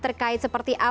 terkait seperti awal